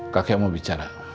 kakek mau bicara